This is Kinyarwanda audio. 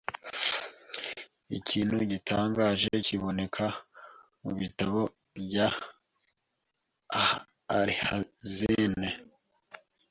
Ikintu gitangaje kiboneka mu bitabo bya Alhazen,